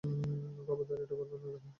খবরদার এটা করবে না, রেহান!